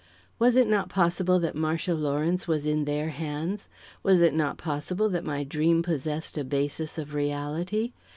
Was it not possible that Marcia Lawrence was in their hands? Was it not possible that my dream possessed a basis of reality?